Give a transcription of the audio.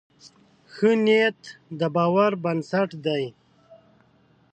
ښه نیت د باور بنسټ دی.